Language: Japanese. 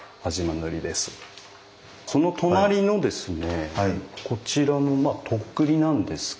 その隣のですね